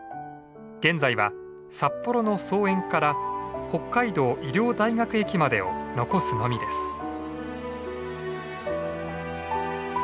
現在は札幌の桑園から北海道医療大学駅までを残すのみです。